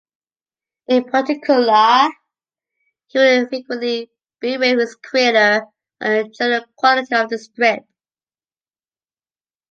In particular, he will frequently berate his creator on general quality of the strip.